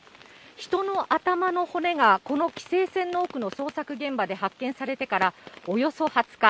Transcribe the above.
人の頭の骨がこの規制線の奥の捜索現場で発見されてからおよそ２０日。